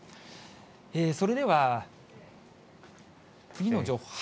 それでは、次の情報。